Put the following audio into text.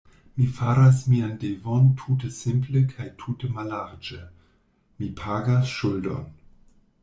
Mi faras mian devon tute simple kaj tute mallarĝe; mi pagas ŝuldon.